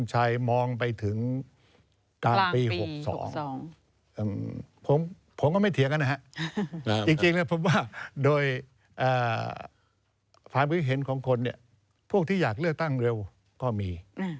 จริงแล้วผมว่าโดยความคิดเห็นของคนเนี่ยพวกที่อยากเลือกตั้งเร็วก็มี